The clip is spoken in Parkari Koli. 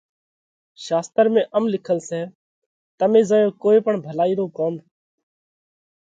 شاستر ۾ ام لکل سئہ: تمي زئيون ڪوئي پڻ ڀلائِي رو ڪوم،